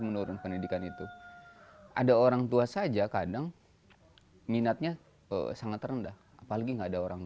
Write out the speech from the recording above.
menurun pendidikan itu ada orang tua saja kadang minatnya sangat rendah apalagi enggak ada orang